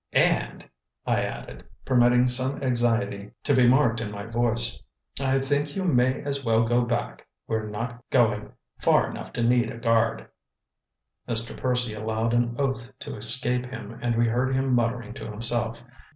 And," I added, permitting some anxiety to be marked in my voice, "I think you may as well go back. We're not going far enough to need a guard." Mr. Percy allowed an oath to escape him, and we heard him muttering to himself.